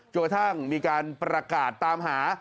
กระทั่งมีการประกาศตามหา